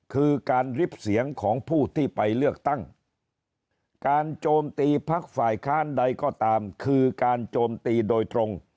คือการริบเสียงของผู้ที่ไปเลือกตั้งการโจมตีพักฝ่ายค้านใดก็ตามคือการโจมตีโดยตรง